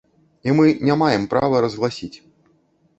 І мы не маем права разгласіць.